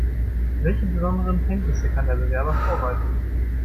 Welche besonderen Kenntnisse kann der Bewerber vorweisen?